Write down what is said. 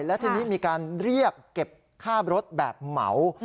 และทีนี้มีการเรียกเก็บค่ารถแบบเหมา